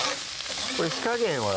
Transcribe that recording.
これ火加減は？